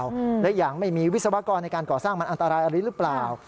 อืมและอย่างไม่มีวิศวกรในการก่อสร้างมันอันตรายอะไรหรือเปล่า